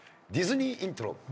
ディズニーイントロ。